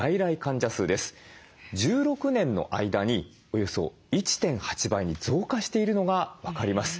１６年の間におよそ１．８倍に増加しているのが分かります。